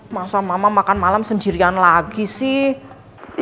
masa mama makan malam sendirian lagi sih